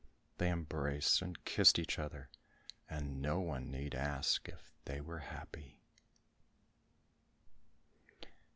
They embraced and kissed each other, and no one need ask if they were happy.